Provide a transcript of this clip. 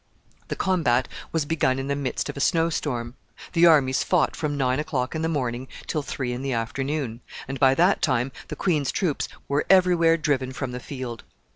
The combat was begun in the midst of a snow storm. The armies fought from nine o'clock in the morning till three in the afternoon, and by that time the queen's troops were every where driven from the field.